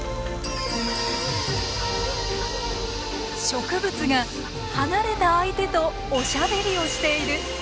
植物が離れた相手とおしゃべりをしている。